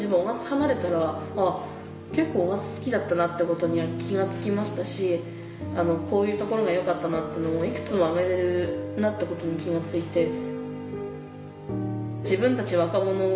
雄勝離れたら結構雄勝好きだったなってことに気が付きましたしこういうところが良かったなっていうのもいくつも挙げれるなってことに気が付いて。と思って。